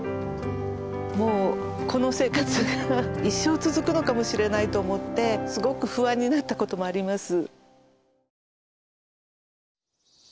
もうこの生活が一生続くのかもしれないと思ってすごく不安になったこともあります。